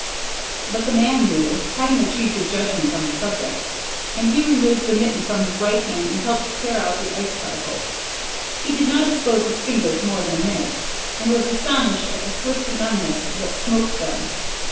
But the man knew, having achieved a judgment on the subject, and he removed the mitten from his right hand and helped tear out the ice particles. He did not expose his fingers more than a minute, and was astonished at the swift numbness that smote them.